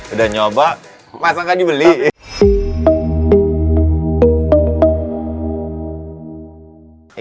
udah nyoba masa nggak dibeli